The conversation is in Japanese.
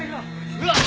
うわっ！！